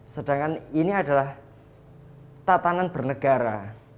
sedangkan ini adalah tatanan bernegara